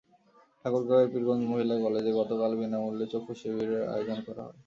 ঠাকুরগাঁওয়ের পীরগঞ্জ মহিলা কলেজে গতকাল শনিবার বিনা মূল্যে চক্ষুশিবিরের আয়োজন করা হয়।